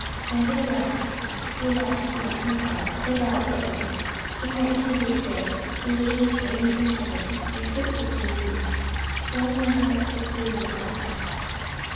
44:014:017 Nevertheless he left not himself without witness, in that he did good, and gave us rain from heaven, and fruitful seasons, filling our hearts with food and gladness.